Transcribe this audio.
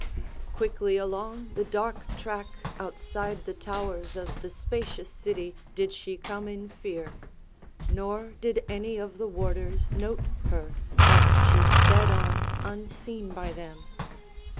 Quickly along the dark track, outside the towers of the spacious city, did she come in fear; nor did any of the warders note her, but she sped on unseen by them.